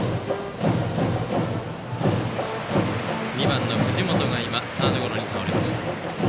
２番の藤本がサードゴロに倒れました。